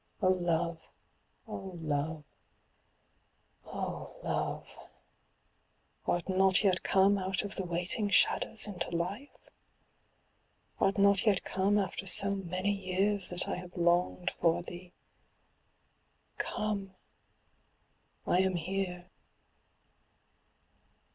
Oh love, oh love, oh love, art not yet come out of the waiting shadows into life? art not yet come after so many years that I have longed for thee? Come! I am here. i8 CIRCE.